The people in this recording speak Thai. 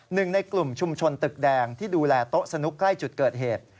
หนึ่งในกลุ่มชุมชนตึกแดงที่ดูแลโต๊ะสนุกใกล้จุดเกิดเหตุ